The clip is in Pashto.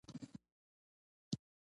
آیا د پښتنو په جرګه کې پریکړه وروستۍ نه وي؟